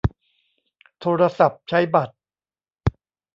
โทรศัพท์ใช้บัตร